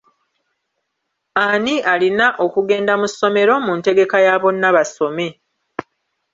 Ani alina okugenda mu ssomero mu ntegeka ya Bonna Basome?